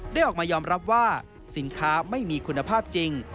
ได้ออกมายอมรับว่าสินค้าไม่มีคุณภาพจริง